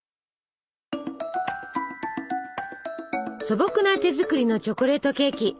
素朴な手作りのチョコレートケーキ。